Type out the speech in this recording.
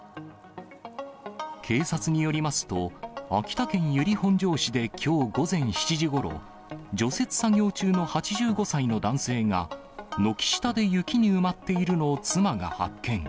警察によりますと、秋田県由利本荘市できょう午前７時ごろ、除雪作業中の８５歳の男性が、軒下で雪に埋まっているのを妻が発見。